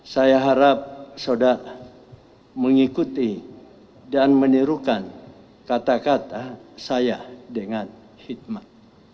saya harap saudara mengikuti dan menirukan kata kata saya dengan hikmat